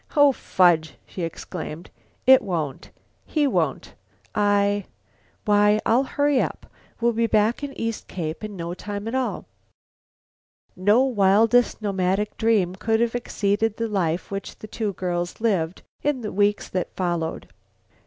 "Oh, fudge!" she exclaimed, "it won't. He won't. I I why, I'll hurry. We'll be back at East Cape in no time at all." No wildest nomadic dream could have exceeded the life which the two girls lived in the weeks that followed.